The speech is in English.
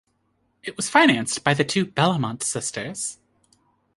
It was financed by the two "'Bellamont" sisters.